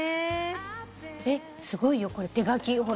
えっすごいよこれ手描きほら。